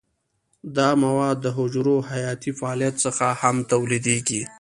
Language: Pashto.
دا مواد د حجرو حیاتي فعالیت څخه هم تولیدیږي.